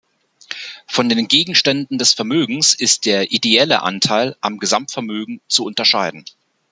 Von den Gegenständen des Vermögens ist der ideelle Anteil am Gesamtvermögen zu unterscheiden.